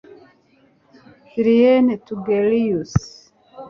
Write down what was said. Julian Togelius